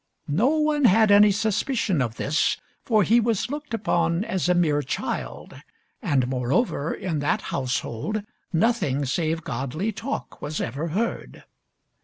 No one had any suspicion of this, for he was looked upon as a mere child, and, moreover, in that household nothing save godly talk was ever heard.